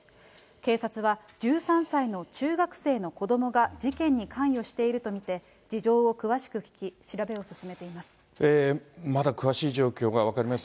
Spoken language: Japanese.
警察は１３歳の中学生の子どもが事件に関与していると見て、事情を詳しく聴き、調べを進めています。